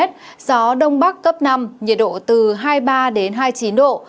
gió đông bắc cấp năm nhiệt độ từ hai mươi ba đến hai mươi chín độ